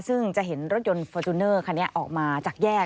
ซึ่งจะเห็นรถยนต์ฟอร์จูเนอร์คันนี้ออกมาจากแยก